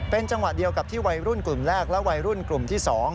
เป็นจังหวะเดียวกับที่วัยรุ่นกลุ่มแรกและวัยรุ่นกลุ่มที่๒